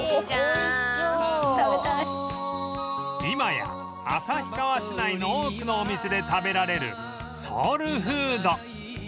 今や旭川市内の多くのお店で食べられるソウルフード